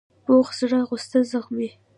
پوخ زړه غصه زغمي